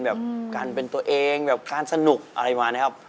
แบบการเป็นตัวเองแบบการสนุกอะไรมานะครับ